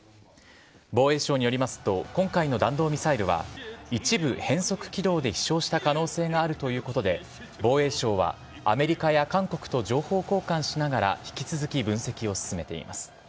防衛省によりますと、今回の弾道ミサイルは、一部変則軌道で飛しょうした可能性があるということで、防衛省はアメリカや韓国と情報交換しながら、引き続き分析を進めています。